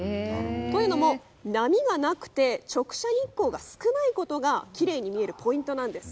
というのも、波がなくて直射日光が少ないことがきれいに見えるポイントなんです。